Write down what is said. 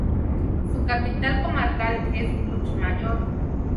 Su capital comarcal es Lluchmayor.